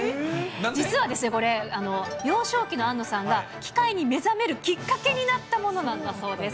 実はですね、これ、幼少期の庵野さんが機械に目覚めるきっかけになったものなんだそうです。